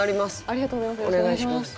ありがとうございます。